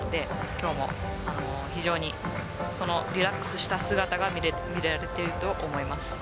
今日も非常にリラックスした姿がみられていると思います。